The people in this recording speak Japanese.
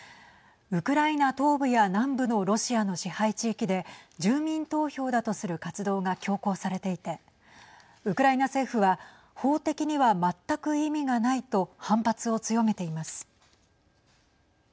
ウクライナ東部や南部のロシアの支配地域で住民投票だとする活動が強行されていてウクライナ政府は法的には全く意味がないと反発を強めています。